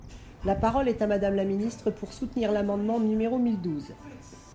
La parole est à Madame la ministre, pour soutenir l’amendement numéro mille douze.